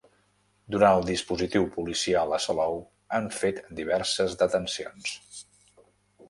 Durant el dispositiu policial a Salou, han fet diverses detencions.